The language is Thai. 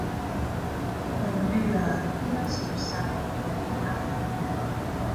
ผลเดื่อเมื่อสุกไซร้ มีพรรณ